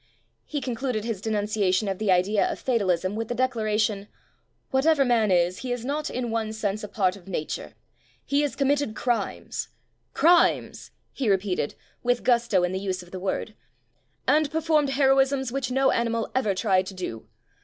He concluded his denunciation of the idea of fatalism with the declaration: "Whatever man is, he is not in one sense a part of nature. He has com mitted crimes, crimes", he repeated — with gusto in the use of the word — "and performed heroisms which no animal ever tried to do.